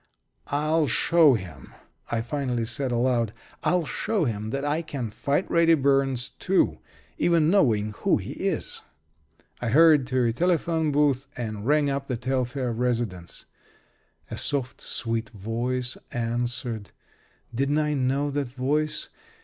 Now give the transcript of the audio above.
"I'll show him!" I finally said, aloud. "I'll show him that I can fight Reddy Burns, too even knowing who he is." I hurried to a telephone booth and rang up the Telfair residence. A soft, sweet voice answered. Didn't I know that voice?